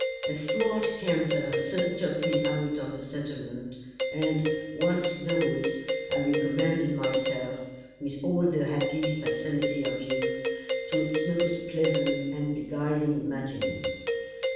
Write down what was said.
A smart canter soon took me out of the settlement, and, once in the woods, I recommended myself with all the happy facility of youth, to its most pleasant and beguiling imaginings.